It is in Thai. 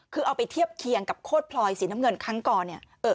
คือเอาไปเทียบเคียงกับโคตรพลอยสีน้ำเงินครั้งก่อนเนี่ย